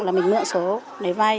là mình mượn số để vay